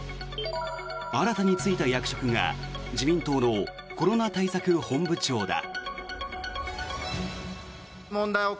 新たに就いた役職が自民党のコロナ対策本部長だ。